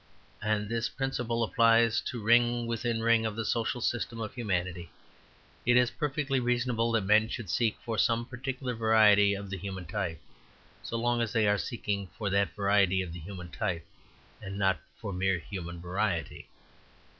And this principle applies to ring within ring of the social system of humanity. It is perfectly reasonable that men should seek for some particular variety of the human type, so long as they are seeking for that variety of the human type, and not for mere human variety.